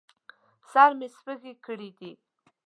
سر مې سپږې کړي دي